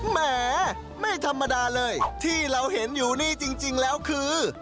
แหมไม่ธรรมดาเลยที่เราเห็นอยู่นี่จริงแล้วคือ